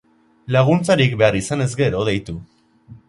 Laguntzarik behar izanez gero, deitu.